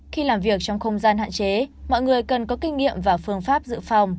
khi làm việc trong không gian hạn chế mọi người cần có kinh nghiệm và phương pháp dự phòng